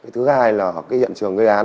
thứ hai là cái hiện trường gây án